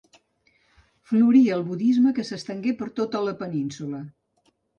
Florí el budisme que s'estengué per tota la península.